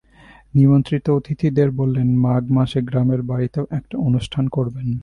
নিমন্ত্রিত অতিথিদের বললেন, মাঘ মাসে গ্রামের বাড়িতেও একটা অনুষ্ঠান করবেন।